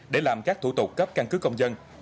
để làm các thủ tục cấp căn cứ công dân